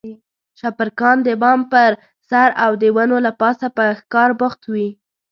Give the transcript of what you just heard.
شپرکان د بام پر سر او د ونو له پاسه په ښکار بوخت وي.